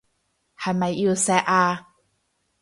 係咪要錫啊？